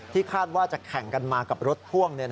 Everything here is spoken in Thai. คาดว่าจะแข่งกันมากับรถพ่วง